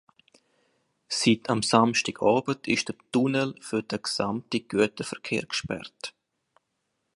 Seit Samstagabend ist der Tunnel für den gesamten Güterverkehr gesperrt.